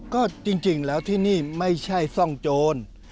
ก็จริงแล้วที่นี่ไม่ใช่ซ่องโจร